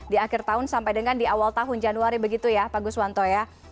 di akhir tahun sampai dengan di awal tahun januari begitu ya pak guswanto ya